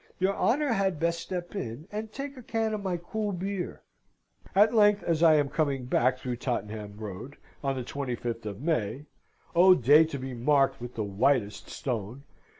Your honour had best step in, and take a can of my cool beer." At length, as I am coming back through Tottenham Road, on the 25th of May O day to be marked with the whitest stone!